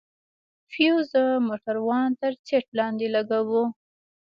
فيوز د موټروان تر سيټ لاندې لگوو.